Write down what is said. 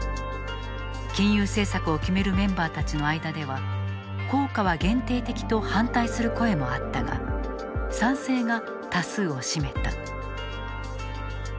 金融政策を決めるメンバーたちの間では効果は限定的と反対する声もあったが賛成が多数を占めた。